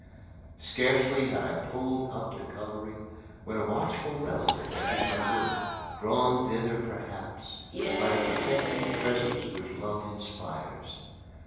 Scarcely had I pulled up the covering when a watchful relative entered my room, drawn thither perhaps by that protecting prescience which love inspires.